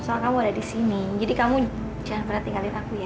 soal kamu ada di sini jadi kamu jangan pernah tinggalin aku ya